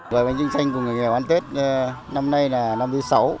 gói bánh trưng xanh cùng người nghèo ăn tết năm nay là năm thứ sáu